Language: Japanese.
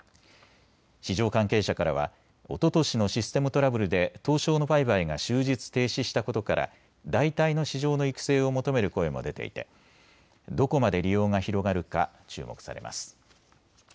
市場関係者からは、おととしのシステムトラブルで東証の売買が終日停止したことから代替の市場の育成を求める声も出ていてどこまで利用が広がるか注目されます。